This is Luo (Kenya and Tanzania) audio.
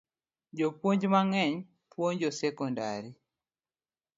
Jopuony mangeny puonjo sekodari